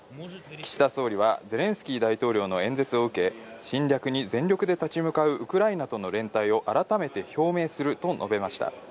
岸田総理はゼレンスキー大統領の演説を受け、侵略に全力で立ち向かうウクライナとの連帯を改めて表明すると述べました。